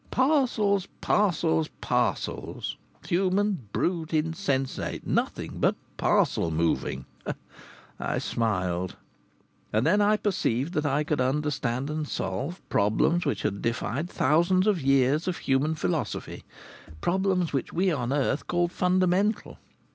Parcels! Parcels! Parcels, human, brute, insensate! Nothing but parcel moving! I smiled. And then I perceived that I could understand and solve problems which had defied thousands of years of human philosophy, problems which we on earth called fundamental.